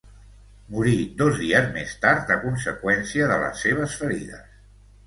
Morí dos dies més tard a conseqüència de les seves ferides.